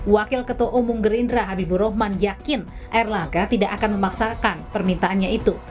wakil ketua umum gerindra habibur rahman yakin erlangga tidak akan memaksakan permintaannya itu